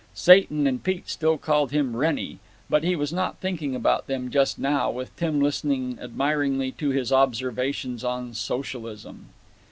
Satan and Pete still called him "Wrennie," but he was not thinking about them just now with Tim listening admiringly to his observations on socialism.